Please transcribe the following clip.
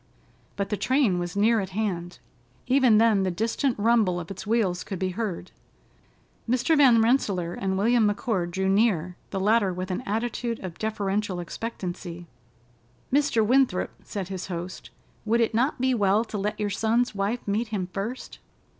But the train was near at hand. Even then the distant rumble of its wheels could be heard. Mr. Van Rensselaer and William McCord drew near, the latter with an attitude of deferential expectancy. "Mr. Winthrop," said his host, "would it not be well to let your son's wife meet him first?"